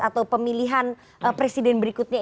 atau pemilihan presiden berikutnya